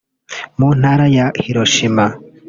mu ntara ya Hiroshima